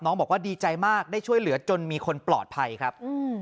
บอกว่าดีใจมากได้ช่วยเหลือจนมีคนปลอดภัยครับ